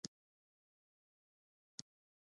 کیمیاوي سره باید کمه شي